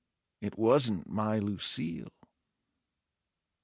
it wasn't my Lucille.